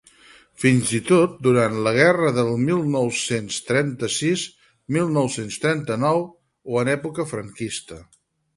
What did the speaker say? Fins i tot durant la guerra del mil nou-cents trenta-sis-mil nou-cents trenta-nou o en època franquista.